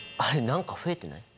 何か増えてない？